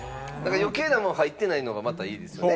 余計なもん入ってないのがまたいいですよね。